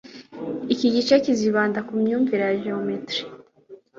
iki gice kizibanda kumyumvire ya geometrie